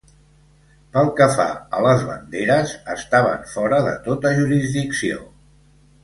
Pel que fa a les banderes, estaven fora de tota jurisdicció.